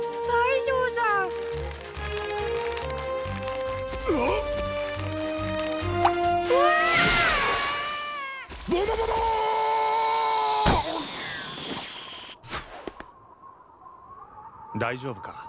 大丈夫か？